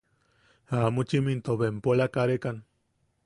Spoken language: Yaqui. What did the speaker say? Jamuchim into bempola karekan.